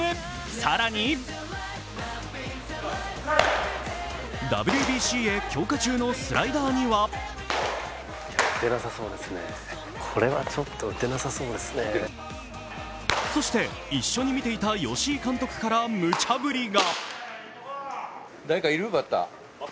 更にＷＢＣへ強化中のスライダーにはそして一緒に見ていた吉井監督からむちゃぶりが。